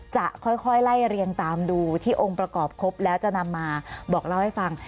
จะค่อยไล่เรียงตามดูที่องค์ประกอบครบแล้วจะนำมาบอกเล่าให้ฟัง